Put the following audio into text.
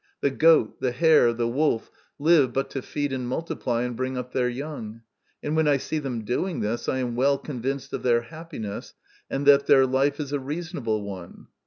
The goat, the hare, the wolf live but to feed and multiply, and bring up their young; and when I see them doing this, I am well con vinced of their happiness, and that their life is a reasonable one.